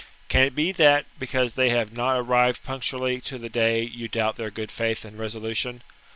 Can it be that, because they have not arrived punctu ally to the day, you doubt their good faith and resolution